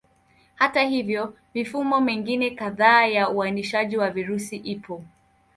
Hata hivyo, mifumo mingine kadhaa ya uainishaji wa virusi ipo.